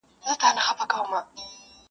پرېږدی چي موږ هم څو شېبې ووینو-